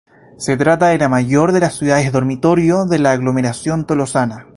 Se trata de la mayor de las ciudades dormitorio de la Aglomeración Tolosana.